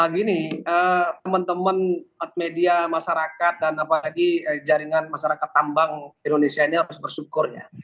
gini teman teman media masyarakat dan apalagi jaringan masyarakat tambang indonesia ini harus bersyukur ya